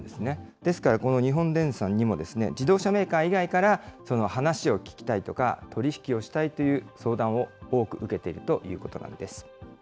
ですからこの日本電産にも、自動車メーカー以外から話を聞きたいとか、取り引きをしたいという相談を多く受けているということなんです。